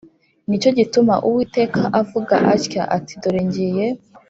Ni cyo gituma Uwiteka avuga atya ati Dore ngiye